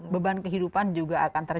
beban kehidupan juga akan terjadi